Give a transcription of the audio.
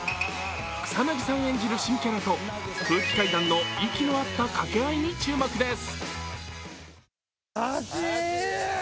草なぎさん演じる新キャラと、空気階段の息の合った掛け合いに注目です。